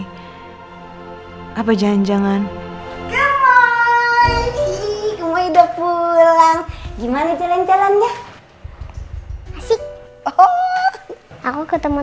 hai apa janjangan kemai kemai udah pulang gimana jalan jalannya asyik oh aku ketemu